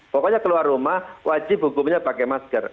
pokoknya keluar rumah wajib hukumnya pakai masker